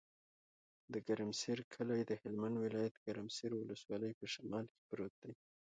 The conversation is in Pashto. د ګرمسر کلی د هلمند ولایت، ګرمسر ولسوالي په شمال کې پروت دی.